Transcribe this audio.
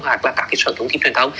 hoặc là cả cái sở thông tin truyền thông